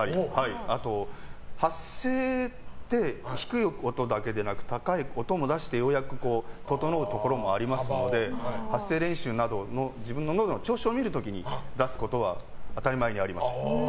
あと、発声って低い音だけでなく高い音も出して、ようやく整うところもありますので発声練習などの自分ののどの調子を見る時に出すことは当たり前にあります。